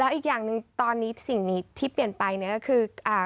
แล้วอีกอย่างตอนนี้สิ่งนี้ที่เปลี่ยนไปก็คือ